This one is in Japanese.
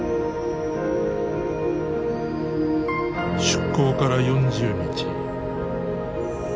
出港から４０日。